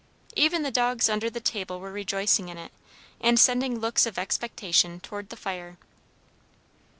Even the dogs under the table were rejoicing in it, and sending looks of expectation toward the fireplace.